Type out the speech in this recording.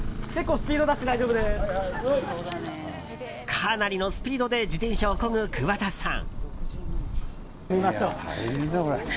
かなりのスピードで自転車をこぐ桑田さん。